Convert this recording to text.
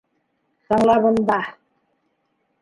Тыңла бында!